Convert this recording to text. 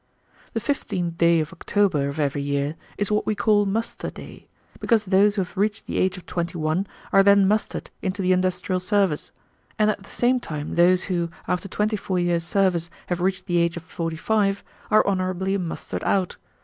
The fifteenth day of October of every year is what we call Muster Day, because those who have reached the age of twenty one are then mustered into the industrial service, and at the same time those who, after twenty four years' service, have reached the age of forty five, are honorably mustered out.